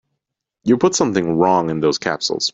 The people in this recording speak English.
You put something wrong in those capsules.